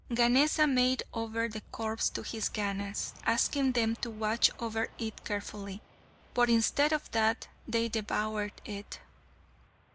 Ganesa made over the corpse to his Ganas, asking them to watch over it carefully. But instead of that they devoured it.